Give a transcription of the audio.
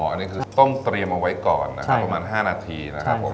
อันนี้คือต้องเตรียมเอาไว้ก่อนนะครับประมาณ๕นาทีนะครับผม